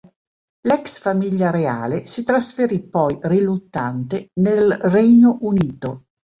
L'ex famiglia reale si trasferì poi riluttante nel Regno Unito.